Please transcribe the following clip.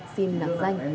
xin nặng danh